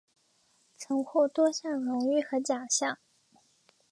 曾获多样荣誉和奖项。